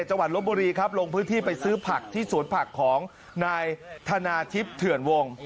ลบบุรีครับลงพื้นที่ไปซื้อผักที่สวนผักของนายธนาทิพย์เถื่อนวง